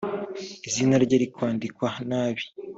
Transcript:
izina rye rikandikwa nabi